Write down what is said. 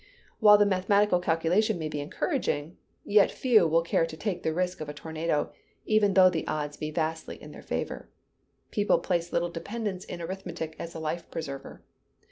While the mathematical calculation may be encouraging, yet few will care to take the risk of a tornado, even though the odds be vastly in their favor. People place little dependence in arithmetic as a life preserver.